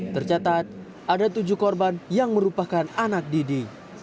tercatat ada tujuh korban yang merupakan anak didik